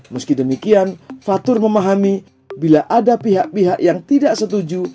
meski demikian fatur memahami bila ada pihak pihak yang tidak setuju